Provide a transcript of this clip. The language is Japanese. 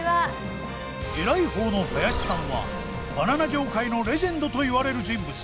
エライ方の林さんはバナナ業界のレジェンドと言われる人物。